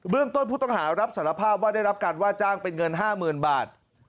เรื่องต้นผู้ต้องหารับสารภาพว่าได้รับการว่าจ้างเป็นเงิน๕๐๐๐บาท